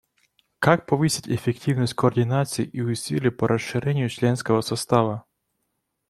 Как повысить эффективность координации и усилий по расширению членского состава?